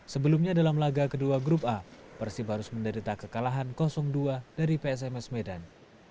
sebelumnya dalam laga kedua grup a persib harus menderita kekalahan dua dari psms medan